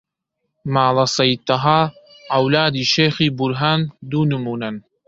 ماڵە سەید تەها، عەولادی شێخی بورهان دوو نموونەن